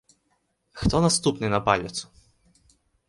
Хто наступны на паліцу?